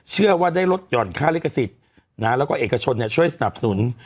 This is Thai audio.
เชื่อว่าได้ลดห่อนค่าลิขสิทธิ์แล้วก็เอกชนช่วยสนับสนุน